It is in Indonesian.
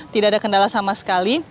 tidak ada kendala sama sekali